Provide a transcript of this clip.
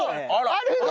あるの？